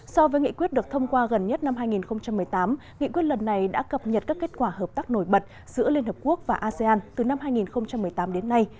so với nghị quyết được thông qua gần nhất năm hai nghìn một mươi tám nghị quyết lần này đã cập nhật các kết quả hợp tác nổi bật giữa liên hợp quốc và asean từ năm hai nghìn một mươi tám đến nay